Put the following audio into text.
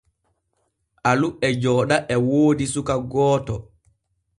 Alu e jooɗa e woodi suka gooto.